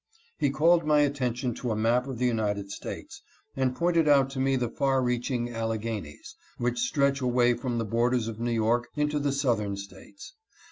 He called my attention to a map of the United States, and pointed out to me the far reaching Alleghanies, which stretch away from the bor ders of New York into the Southern States.